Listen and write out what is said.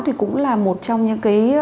thì cũng là một trong những cái